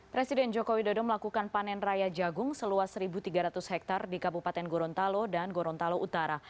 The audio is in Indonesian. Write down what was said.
presiden jokowi dodo melakukan panen raya jagung seluas satu tiga ratus hektare di kabupaten gorontalo dan gorontalo utara